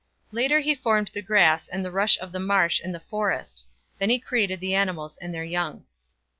Later he formed the grass and the rush of the marsh and the forest. Then he created the animals and their young.